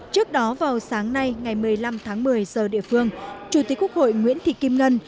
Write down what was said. trước đó vào sáng nay ngày một mươi năm tháng một mươi giờ địa phương chủ tịch quốc hội nguyễn thị kim ngân